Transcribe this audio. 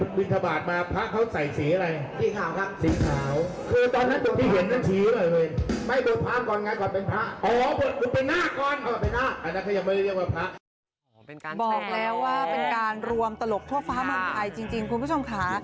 บอกแล้วว่าเป็นการรวมตลกทั่วฟ้าเมืองไทยจริงคุณผู้ชมค่ะ